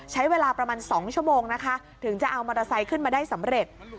ใช้เวลาประมาณ๒ชั่วโมงนะคะถึงจะเอามอเตอร์ไซค์ขึ้นมาได้สำเร็จ